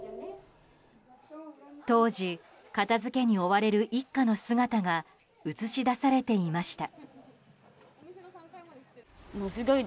当時、片付けに追われる一家の姿が映し出されていました。